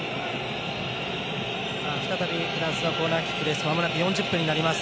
再びフランスはコーナーキックです。